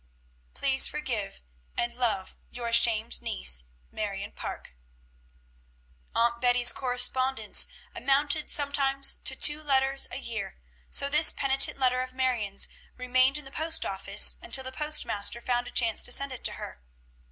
Please forgive, and love your ashamed niece, MARION PARKE. Aunt Betty's correspondence amounted sometimes to two letters a year, so this penitent letter of Marion's remained in the post office until the postmaster found a chance to send it to her.